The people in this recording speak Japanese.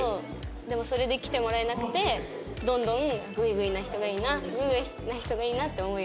でもそれで来てもらえなくてどんどんグイグイな人がいいなグイグイな人がいいなって思うようになりました。